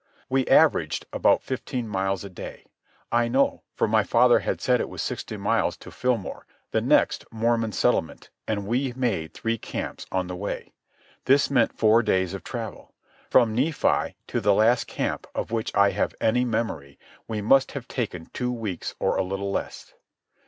We averaged about fifteen miles a day. I know, for my father had said it was sixty miles to Fillmore, the next Mormon settlement, and we made three camps on the way. This meant four days of travel. From Nephi to the last camp of which I have any memory we must have taken two weeks or a little less.